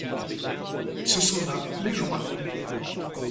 Ce sont là les joies.